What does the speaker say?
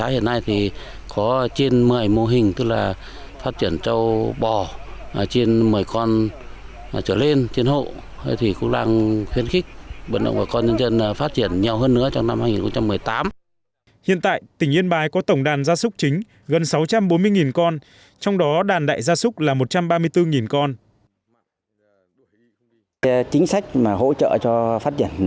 hiện tại tỉnh yên bài có tổng đàn gia súc chính gần sáu trăm bốn mươi con trong đó đàn đại gia súc là một trăm ba mươi bốn con